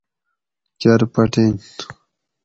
کۤرپٹین